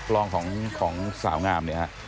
รองของสาวงามนี่ครับ